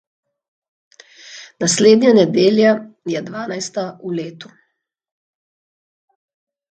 Naslednja nedelja je dvanajsta v letu.